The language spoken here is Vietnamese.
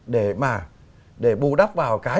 để mà để bù đắp vào cái